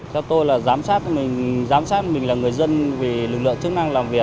theo tôi là giám sát mình là người dân vì lực lượng chức năng làm việc